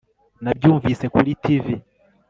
Nabyumvise kuri TV